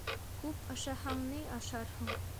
Күп ашаһаң ни ашарһың?